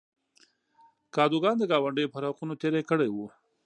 کادوګان د ګاونډیو پر حقونو تېری کړی و.